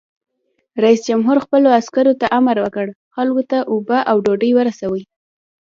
رئیس جمهور خپلو عسکرو ته امر وکړ؛ خلکو ته اوبه او ډوډۍ ورسوئ!